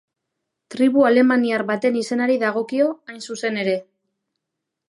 Tribu alemaniar baten izenari dagokio, hain zuzen ere.